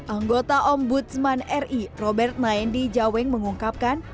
anggota ombudsman ri robert naendi jaweng mengungkapkan